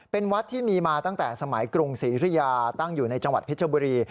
เป็นวัดที่มีมาตั้งแต่สมัยกรุงศรียุธยาตั้งอยู่ในจังหวัดเพชรบุรี